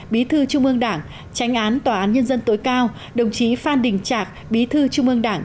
bí thư trung ương đảng tránh án tòa án nhân dân tối cao đồng chí phan đình trạc bí thư trung ương đảng